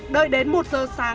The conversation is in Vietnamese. đợi đến một h sáng